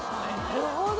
なるほど。